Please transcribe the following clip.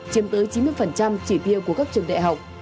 chiếm tới chín mươi chỉ tiêu của các trường đại học